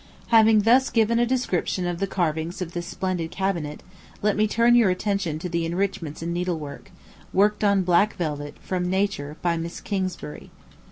Having thus given a description of the carvings of this splendid cabinet, let me turn your attention to the enrichments in needlework, worked on black velvet, from nature, by Miss Kingsbury.